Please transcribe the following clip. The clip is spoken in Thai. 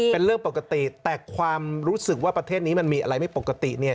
เป็นเรื่องปกติแต่ความรู้สึกว่าประเทศนี้มันมีอะไรไม่ปกติ